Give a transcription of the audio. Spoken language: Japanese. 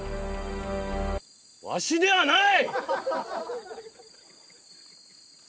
わしではない！